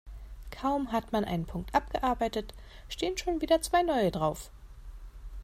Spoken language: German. Kaum hat man einen Punkt abgearbeitet, stehen schon wieder zwei neue drauf.